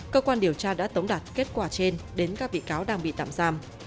cơ quan điều tra đã tống đạt kết quả trên đến các bị cáo đang bị tạm giam